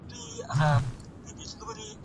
زه بايد مکتب ته لاړ شم؟!